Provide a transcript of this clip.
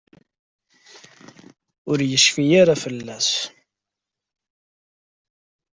Ur yecfi ara fell-as.